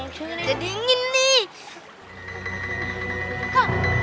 jadi dingin nih